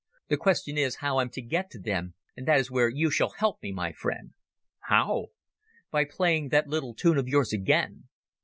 The question is, how I'm to get to them, and that is where you shall help me, my friend." "How?" "By playing that little tune of yours again.